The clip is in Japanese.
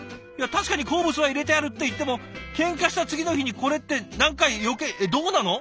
いや確かに好物は入れてあるっていってもケンカした次の日にこれって何か余計えっどうなの？